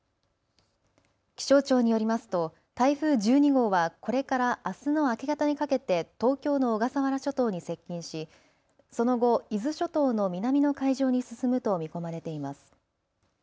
気象庁によりますと台風１２号はこれから、あすの明け方にかけて東京の小笠原諸島に接近しその後、伊豆諸島の南の海上に進むと見込まれています。